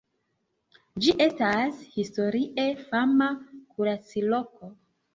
Ĝi estas historie fama kuracloko.